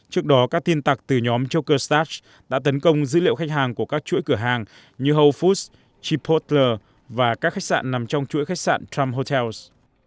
trước đó các tin tặc từ nhóm jokerstats đã tấn công dữ liệu khách hàng của các chuỗi cửa hàng như whole foods chipotle và các khách sạn nằm trong chuỗi khách sạn trump hotels